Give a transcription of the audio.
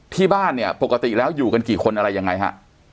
ที่บ้านเนี่ยปกติแล้วอยู่กันกี่คนอะไรยังไงฮะ